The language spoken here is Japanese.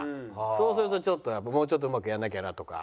そうするともうちょっとうまくやらなきゃなとか。